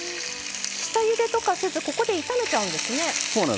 下ゆでとかせずここで炒めちゃうんですね。